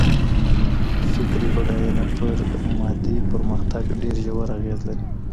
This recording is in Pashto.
فکري بډاينه پر مادي پرمختګ ډېر ژور اغېز لري.